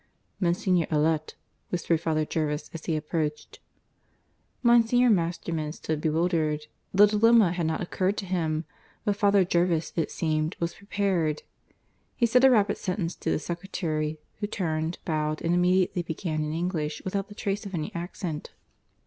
("Monsignor Allet," whispered Father Jervis, as he appeared.) Monsignor Masterman stood bewildered. The dilemma had not occurred to him; but Father Jervis, it seemed, was prepared. He said a rapid sentence to the secretary, who turned, bowing, and immediately began in English without the trace of any accent.